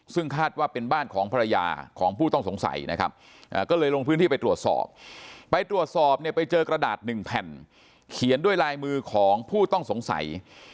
ซึ่งคาดว่าเป็นบ้านของภรรยาของผู้ต้องสงสัยนะครับก็เลยลงพื้นที่ไปตรวจสอบไปตรวจสอบเนี่ยไปเจอกระดาษหนึ่งแผ่นเขียนด้วยลายมือของผู้ต้องสงสัย